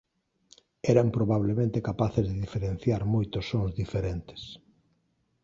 Eran probablemente capaces de diferenciar moitos sons diferentes.